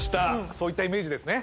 そういったイメージですね